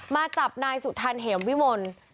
มาจับนายสุธร์เหงวิมนฯ